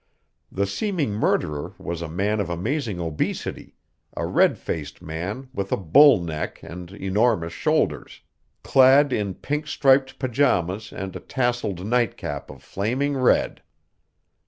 The seeming murderer was a man of amazing obesity, a red faced man with a bull neck and enormous shoulders, clad in pink striped pajamas and a tasselled nightcap of flaming red.